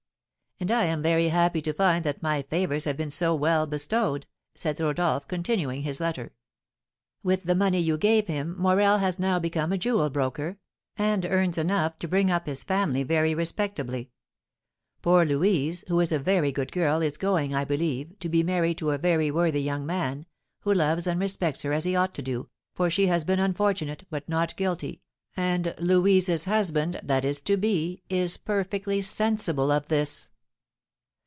"And I am very happy to find that my favours have been so well bestowed," said Rodolph, continuing his letter. "With the money you gave him, Morel has now become a jewel broker, and earns enough to bring up his family very respectably. Poor Louise, who is a very good girl, is going, I believe, to be married to a very worthy young man, who loves and respects her as he ought to do, for she has been unfortunate, but not guilty, and Louise's husband that is to be is perfectly sensible of this."